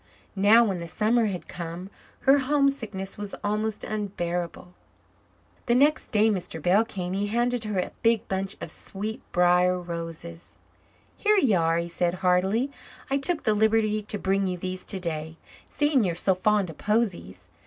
Now, when the summer had come, her homesickness was almost unbearable. The next day Mr. Bell came he handed her a big bunch of sweet brier roses. "Here you are," he said heartily. "I took the liberty to bring you these today, seeing you're so fond of posies.